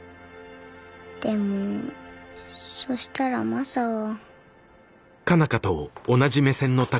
でもそしたらマサが。